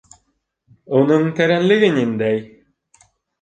Уның тәрәнлеге ниндәй?